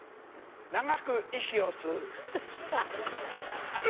長くイキを吸う。